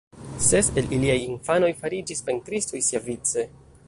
Ses el iliaj infanoj fariĝis pentristoj siavice.